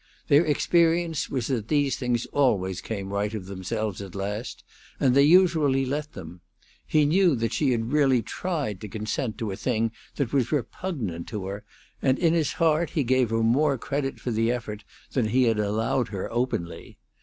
Their experience was that these things always came right of themselves at last, and they usually let them. He knew that she had really tried to consent to a thing that was repugnant to her, and in his heart he gave her more credit for the effort than he had allowed her openly.